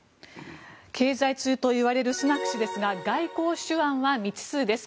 経済通といわれるスナク氏ですが外交手腕は未知数です。